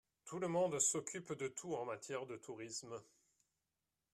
Tout le monde s’occupe de tout en matière de tourisme.